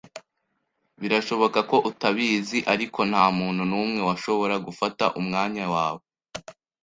Birashoboka ko utabizi, ariko ntamuntu numwe washobora gufata umwanya wawe.